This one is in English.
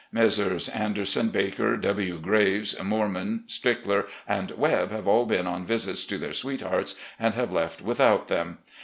Messrs. Anderson, Baker, W. Graves, Moorman, Strickler, and Webb have all been on visits to their sweethearts, and have left without them.